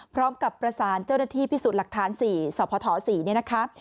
พร้อมกับประสานเจ้าหน้าที่พิสูจน์หลักฐาน๔สพ๔เนี่ยนะคะ